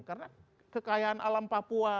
karena kekayaan alam papua